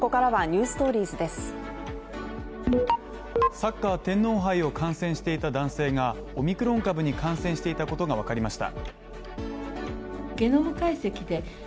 サッカー天皇杯を観戦していた男性が、オミクロン株に感染していたことがわかりました。